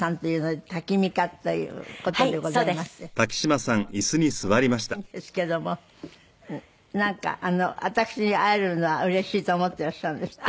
でも可愛らしいんですけどもなんか私に会えるのがうれしいと思ってらっしゃるんですって？